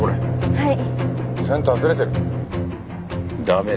はい。